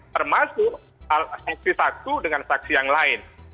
termasuk saksi satu dengan saksi yang lain